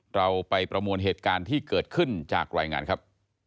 เราไปประมวลเหตุการณ์ที่เกิดขึ้นจากรายงานครับ